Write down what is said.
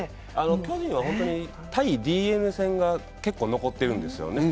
巨人は対ＤｅＮＡ戦が結構残っているんですよね。